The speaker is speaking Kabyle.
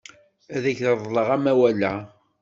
Ad ak-reḍleɣ amawal-a.